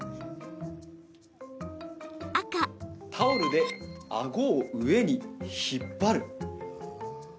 タオルであごを上に引っ張る。